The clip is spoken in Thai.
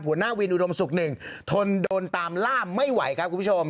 หัวหน้าวินอุดมศุกร์หนึ่งทนโดนตามล่าไม่ไหวครับคุณผู้ชม